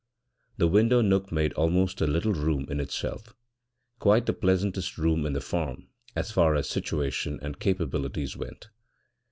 The window nook made almost a little room in itself, quite the pleasantest room in the farm as far as situation and capabilities went.